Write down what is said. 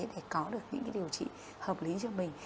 để có được những cái điều trị hợp lý cho mình